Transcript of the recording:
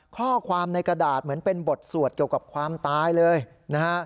ข้อความในกระดาษเหมือนเป็นบทสวดเกี่ยวกับความตายเลยนะฮะ